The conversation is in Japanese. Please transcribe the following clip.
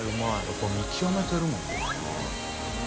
笋辰見極めてるもんね。